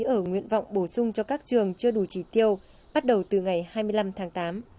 ở nguyện vọng bổ sung cho các trường chưa đủ chỉ tiêu bắt đầu từ ngày hai mươi năm tháng tám